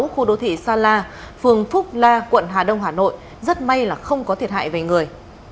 khu đô thị sa la phường phúc la quận hà đông hà nội rất may là không có thiệt hại về người